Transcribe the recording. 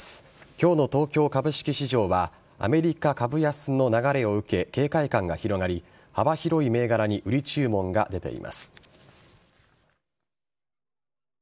今日の東京株式市場はアメリカ株安の流れを受け警戒感が広がり幅広い銘柄に売り注文が出ています。